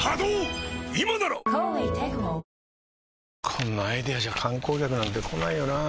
こんなアイデアじゃ観光客なんて来ないよなあ